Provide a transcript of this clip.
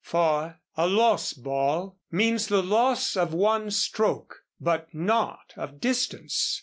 (4) A lost ball means the loss of one stroke, but not of distance.